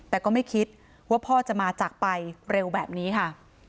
แต่ก็ไม่คิดว่าพ่อจะมาจากไปเร็วแบบนี้ค่ะ